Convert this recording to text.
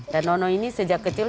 dan nono ini sejak kecil